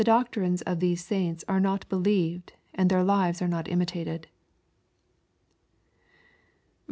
doctrines of these saints are not believed, and their "ives are not imitated I 48.